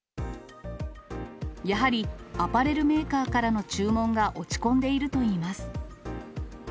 やはりアパレルメーカーからの注文が落ち込んでいるといいます。